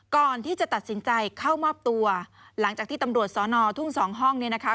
ก่อนที่จะตัดสินใจเข้ามอบตัวหลังจากที่ตำรวจสอนอทุ่งสองห้องเนี่ยนะคะ